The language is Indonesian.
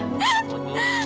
sampai jumpa lagi